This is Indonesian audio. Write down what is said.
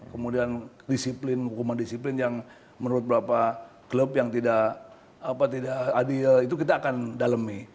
kemudian disiplin hukuman disiplin yang menurut beberapa klub yang tidak adil itu kita akan dalami